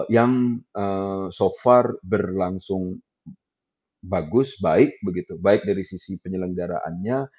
yang so far berlangsung bagus baik dari sisi penyelenggaraannya